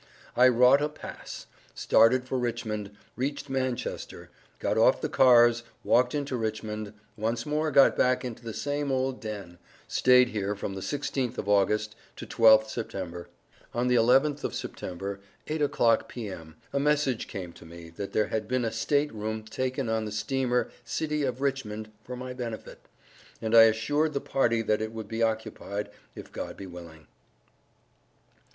I wrot a pass, started for Richmond, Reached Manchester, got off the Cars walked into Richmond, once more got back into the same old Den, Stayed here from the 16th of Aug. to 12th Sept. On the 11th of Sept. 8 o'clock P.M. a message came to me that there had been a State Room taken on the steamer City of Richmond for my benefit, and I assured the party that it would be occupied if God be willing.